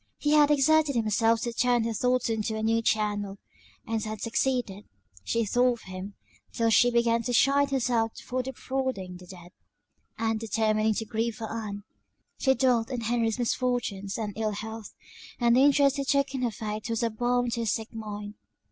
He had exerted himself to turn her thoughts into a new channel, and had succeeded; she thought of him till she began to chide herself for defrauding the dead, and, determining to grieve for Ann, she dwelt on Henry's misfortunes and ill health; and the interest he took in her fate was a balm to her sick mind.